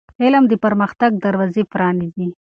علم د پرمختګ دروازې پرانیزي.